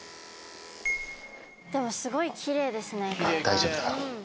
でもすごい奇麗ですね